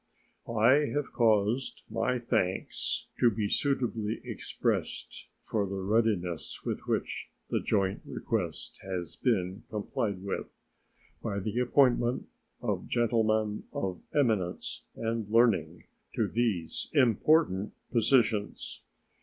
I have caused my thanks to be suitably expressed for the readiness with which the joint request has been complied with, by the appointment of gentlemen of eminence and learning to these important positions.